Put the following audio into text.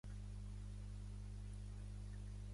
Oh Jo, com vas poder?